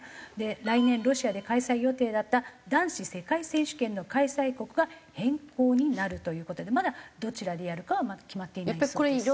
来年ロシアで開催予定だった男子世界選手権の開催国が変更になるという事でまだどちらでやるかはまだ決まっていないそうです。